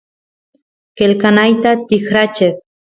qelqanayta tikracheq